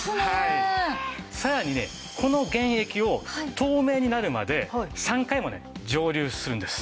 さらにねこの原液を透明になるまで３回もね蒸留するんです。